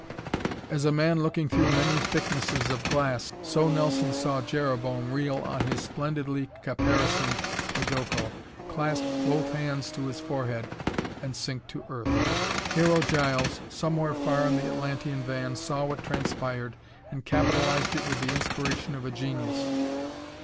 As a man looking through many thickness of glass, so Nelson saw Jereboam reel on his splendidly caparisoned podoko, clasp both hands to his forehead and sink to earth. Hero Giles, somewhere far in the Atlantean van, saw what transpired and capitalized it with the inspiration of a genius.